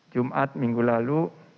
jumat minggu lalu